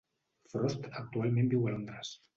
Frost actualment viu a Londres.